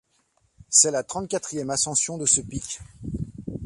C'est la trente-quatrième ascension de ce pic.